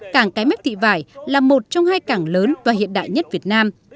cảng cái mép thị vải là một trong hai cảng lớn và hiện đại nhất việt nam